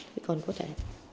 thì còn có thể